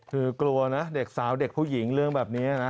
คือกลัวนะเด็กสาวเด็กผู้หญิงเรื่องแบบนี้นะ